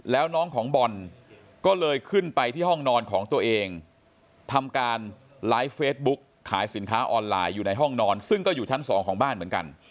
แล้วน้องของบอลก็เลยขึ้นไปที่ห้องนอนของตัวเองทำการไลฟ์เฟซบุ๊กขายสินค้าออนไลน์อยู่ในห้องนอนซึ่งก็อยู่ชั้นสองของบ้านเหมือนกัน